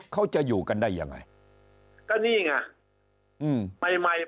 เขาจะอยู่กันได้ยังไง